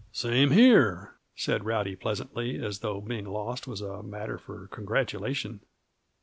"Same here," said Rowdy pleasantly, as though being lost was a matter for congratulation.